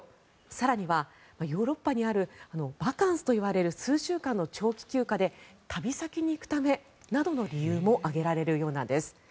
更には、ヨーロッパにあるバカンスといわれる数週間の長期休暇で旅先に行くためなどの理由も挙げられるようなんです。